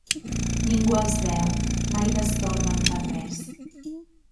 Ningú els veu, mai destorben per res